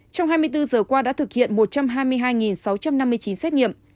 trong hai mươi bốn giờ qua đã thực hiện một trăm hai mươi hai sáu trăm năm mươi chín xét nghiệm